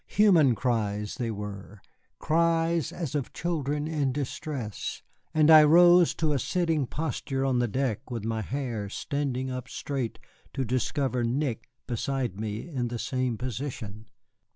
Human cries they were, cries as of children in distress, and I rose to a sitting posture on the deck with my hair standing up straight, to discover Nick beside me in the same position.